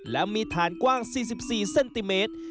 และมีฐานกว้าง๔๔เซนติเมตร